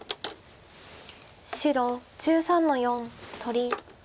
白１３の四取り。